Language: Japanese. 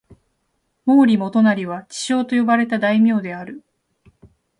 毛利元就は智将と呼ばれた大名である。